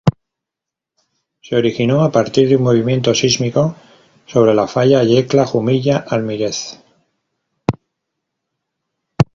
Se originó a partir de un movimiento sísmico, sobre la falla Yecla-Jumilla-Almirez.